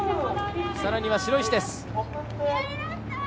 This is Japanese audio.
さらには白石です。